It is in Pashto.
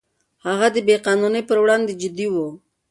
هغه د بې قانونۍ پر وړاندې جدي و.